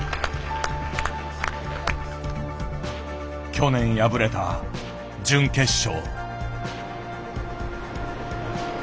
去年敗れた準決勝。